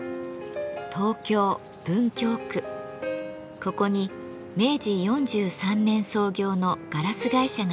ここに明治４３年創業のガラス会社があります。